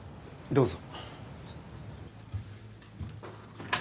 どうぞ。